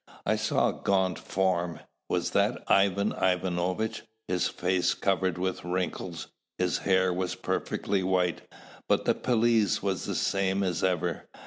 I saw a gaunt form. Was that Ivan Ivanovitch? His face was covered with wrinkles, his hair was perfectly white; but the pelisse was the same as ever.